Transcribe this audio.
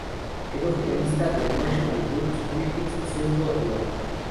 Quedó finalista del National Book Critics Circle Award.